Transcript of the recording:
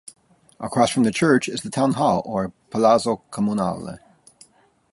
Across from the church is the town hall, or "Palazzo Comunale".